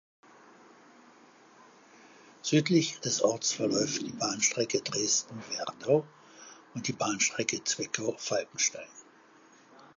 Südlich des Orts verläuft die Bahnstrecke Dresden–Werdau und die Bahnstrecke Zwickau–Falkenstein.